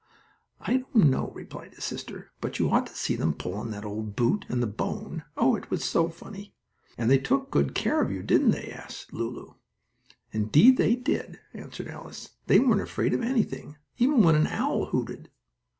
"I don't know," replied his sister. "But you ought to see them pull on that old boot and the bone! Oh, it was too funny!" "And they took good care of you, didn't they," asked Lulu. "Indeed, they did," answered Alice. "They weren't afraid of anything, even when an owl hooted."